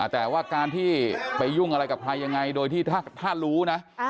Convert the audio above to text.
แต่ว่าการที่ไปยุ่งอะไรกับใครยังไงโดยที่ถ้ารู้นะ